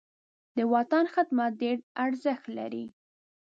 د وطن خدمت ډېر ارزښت لري.